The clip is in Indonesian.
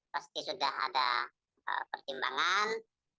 pasti sudah ada pertimbangan